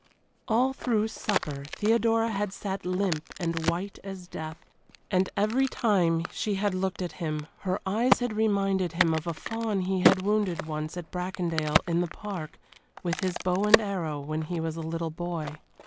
All through supper Theodora had sat limp and white as death, and every time she had looked at him her eyes had reminded him of a fawn he had wounded once at Bracondale, in the park, with his bow and arrow, when he was a little boy.